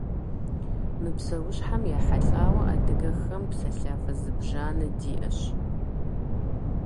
Мы псэущхьэм ехьэлӀауэ адыгэхэм псэлъафэ зыбжанэ диӀэщ.